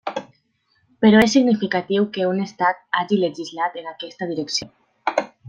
Però és significatiu que un estat hagi legislat en aquesta direcció.